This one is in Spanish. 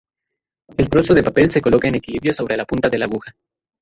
El trozo de papel se coloca en equilibrio sobre la punta de la aguja.